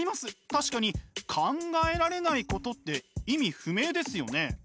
確かに「考えられないこと」って意味不明ですよね？